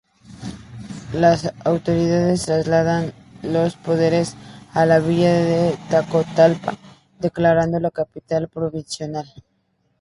Las autoridades trasladan los poderes a la Villa de Tacotalpa declarándola capital provisional.